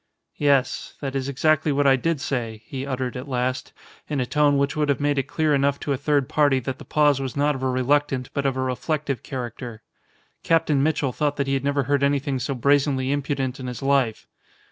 "Yes, that is exactly what I did say," he uttered at last, in a tone which would have made it clear enough to a third party that the pause was not of a reluctant but of a reflective character. Captain Mitchell thought that he had never heard anything so brazenly impudent in his life.